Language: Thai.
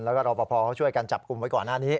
แล้วก็รอปภเขาช่วยกันจับกลุ่มไว้ก่อนหน้านี้